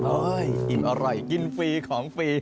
อิ่มอร่อยกินฟรีของฟรี